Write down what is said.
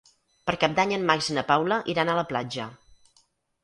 Per Cap d'Any en Max i na Paula iran a la platja.